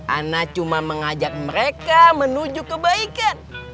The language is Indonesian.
ana cuma mengajak mereka menuju kebaikan